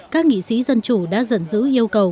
các nghị sĩ dân chủ đã dần giữ yêu cầu